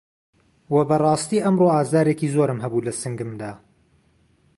وە بەڕاستی ئەمڕۆ ئازارێکی زۆرم هەبوو لە سنگمدا